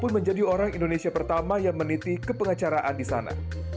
meneliti kepengacaraan di sana